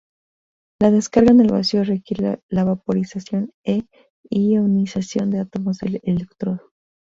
La descarga en el vacío requiere la vaporización e ionización de átomos del electrodo.